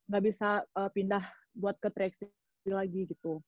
gak bisa pindah buat ke tiga x lagi gitu